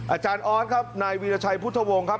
อาจารย์ออสครับนายวีรชัยพุทธวงศ์ครับ